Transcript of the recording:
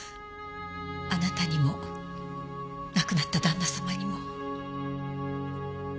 あなたにも亡くなっただんなさまにも。